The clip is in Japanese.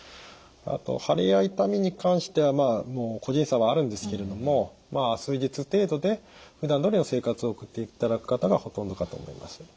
あと腫れや痛みに関しては個人差はあるんですけれども数日程度でふだんどおりの生活を送っていただく方がほとんどかと思います。